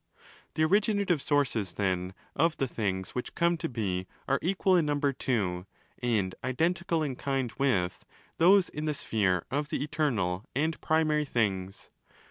The 'originative sources', then, of the things which come to be are equal in number to, and identical in kind with, those in the sphere of the eternal and primary things.